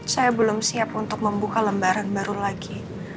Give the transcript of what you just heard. saya belum siap untuk membuka lembaran baru lagi